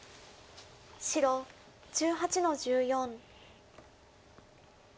白１８の十四。